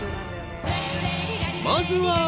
［まずは］